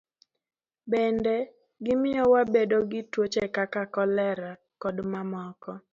Bende, gimiyo wabedo gi tuoche kaka kolera, kod mamoko.